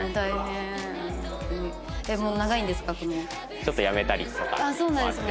ちょっとやめたりとかもあって。